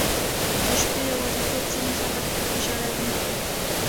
• د شپې یواځیتوب ځینې خلک ژړوي.